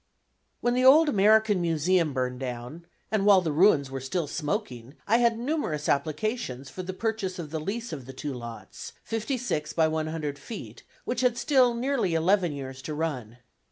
When the old American Museum burned down, and while the ruins were still smoking, I had numerous applications for the purchase of the lease of the two lots, fifty six by one hundred feet, which had still nearly eleven years to run.